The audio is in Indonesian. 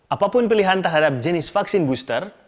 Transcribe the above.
apapun pilihan terhadap jenis vaksin booster